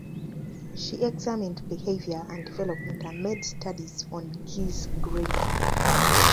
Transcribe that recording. She examined behaviour and development and made studies on geese grazing.